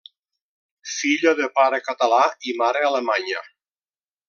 Filla de pare català i mare alemanya.